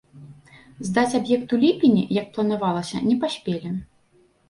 Здаць аб'ект у ліпені, як планавалася, не паспелі.